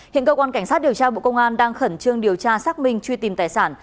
hiện cơ quan cảnh sát điều tra bộ công an đang khẩn trương điều tra xác minh truy tìm tài sản